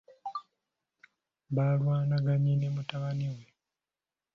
Balwanaganye ne mutabani we.